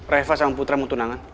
reva sama putra mau tunangan